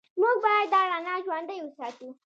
موږ باید دا رڼا ژوندۍ وساتو.